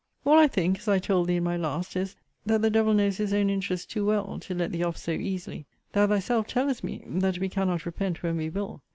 All I think, as I told thee in my last, is, that the devil knows his own interest too well, to let thee off so easily. Thou thyself tellest me, that we cannot repent when we will.